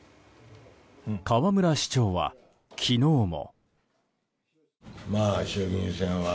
河村市長は昨日も。